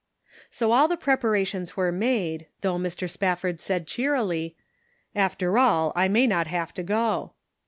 So all the preparations were made, though Mr. Spafford said cheerily :" After all, I may not have to go."